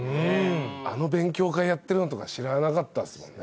あの勉強会やってるのとか知らなかったですもんね。